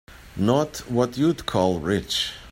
Not what you'd call rich.